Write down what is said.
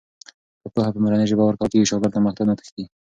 که پوهه په مورنۍ ژبه ورکول کېږي، شاګرد له مکتب نه تښتي نه.